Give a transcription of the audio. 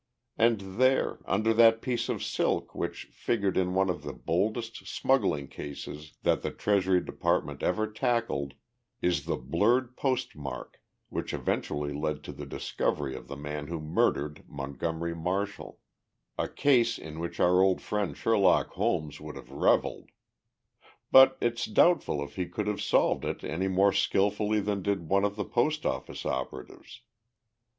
And there, under that piece of silk which figured in one of the boldest smuggling cases that the Treasury Department ever tackled, is the blurred postmark which eventually led to the discovery of the man who murdered Montgomery Marshall a case in which our old friend Sherlock Holmes would have reveled. But it's doubtful if he could have solved it any more skillfully than did one of the Post Office operatives."